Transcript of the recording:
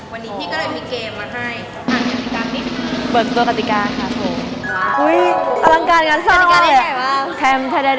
วันนี้ฝั่งคำศักดิ์แบบธรรมดามันไม่สนุก